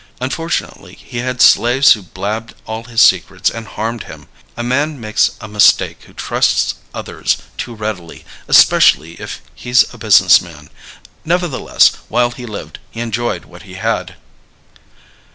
Unfortunately he had slaves who blabbed all his secrets and harmed him. A man makes a mistake who trusts others too readily, especially if he's a business man. Nevertheless, while he lived, he enjoyed what he had."